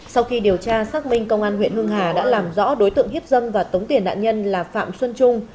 sau khi điều tra xác minh công an huyện hưng hà đã làm rõ đối tượng hiếp dâm và tống tiền nạn nhân là phạm xuân trung